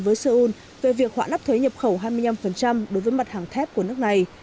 với seoul về việc họ lắp thuế nhập khẩu hai mươi năm đối với mặt hàng thép của nước này